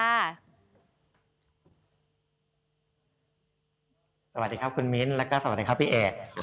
สวัสดีครับคุณมิ้นแล้วก็สวัสดีครับพี่เอก